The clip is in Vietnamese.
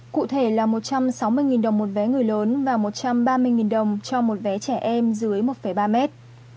cụ thể là một trăm sáu mươi đồng một vé người lớn và một trăm ba mươi đồng cho một vé trẻ em dưới một ba mét